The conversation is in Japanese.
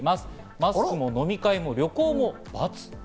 マスクも飲み会も旅行もバツ。